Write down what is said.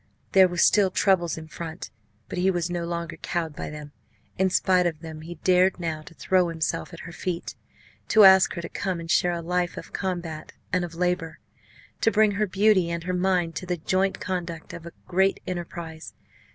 there were still troubles in front! But he was no longer cowed by them. In spite of them, he dared now to throw himself at her feet, to ask her to come and share a life of combat and of labour, to bring her beauty and her mind to the joint conduct of a great enterprise.